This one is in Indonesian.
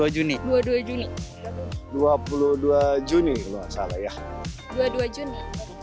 dua puluh dua juni dua puluh dua juni dua puluh dua juni salah ya dua puluh dua juni